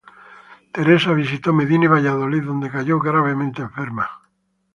Teresa visitó Medina y Valladolid, donde cayó gravemente enferma.